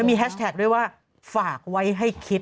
มีแฮชแท็กด้วยว่าฝากไว้ให้คิด